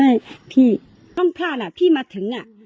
พี่ต้องพลาดอ่ะพี่มาถึง